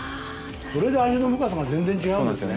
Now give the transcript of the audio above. それで味の深さが全然違うんですね。